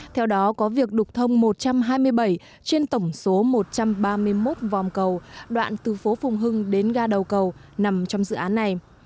theo đó có việc đục thông một trăm hai mươi bảy trên tổng số một trăm ba mươi một vòng cầu đoạn từ phố phùng hưng đến ga đầu cầu nằm trong dự án này